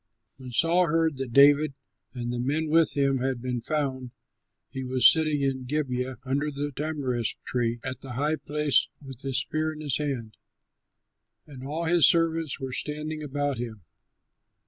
When Saul heard that David and the men with him had been found, he was sitting in Gibeah, under the tamarisk tree at the high place, with his spear in his hand. And all his servants were standing about him.